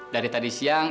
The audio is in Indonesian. dari tadi siang